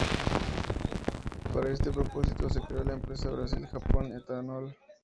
Para este propósito se creó la empresa Brasil–Japón–Etanol.